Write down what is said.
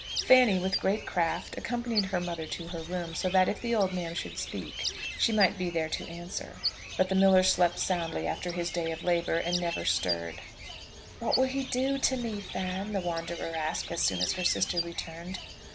Fanny, with great craft, accompanied her mother to her room, so that if the old man should speak she might be there to answer; but the miller slept soundly after his day of labour, and never stirred. "What will he do to me, Fan?" the wanderer asked as soon as her sister returned.